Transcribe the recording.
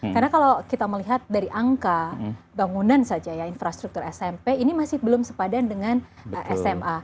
karena kalau kita melihat dari angka bangunan saja ya infrastruktur smp ini masih belum sepadan dengan sma